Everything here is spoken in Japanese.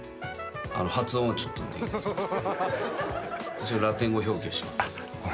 一応ラテン語表記はします。